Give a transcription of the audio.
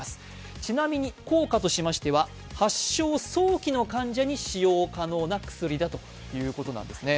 ちなみに効果としては発症早期の患者に使用可能ということです。